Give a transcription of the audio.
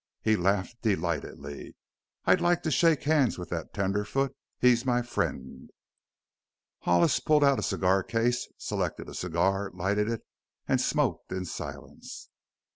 He laughed delightedly. "I'd like to shake hands with that tenderfoot he's my friend!" Hollis pulled out a cigar case, selected a cigar, lighted it, and smoked in silence.